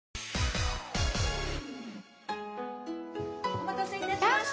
お待たせいたしました。